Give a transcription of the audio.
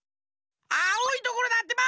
あおいところだってば！